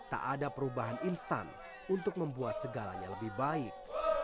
tak ada perubahan instan untuk membuat segalanya lebih baik